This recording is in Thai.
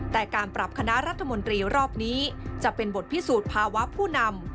แต่การปรับคณะรัฐมนตรีรอบนี้จะเป็นบทพิสูจน์ภาวะผู้นำ